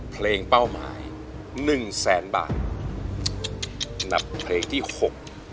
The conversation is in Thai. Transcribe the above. เป้าหมายหนึ่งแสนบาทนับเพลงที่หก